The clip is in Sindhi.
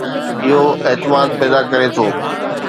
اهو اعتماد پيدا ڪري ٿو